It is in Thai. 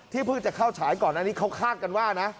เพิ่งจะเข้าฉายก่อนอันนี้เขาคาดกันว่านะ